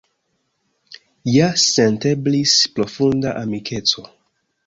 Ja senteblis profunda amikeco.